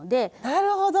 なるほど！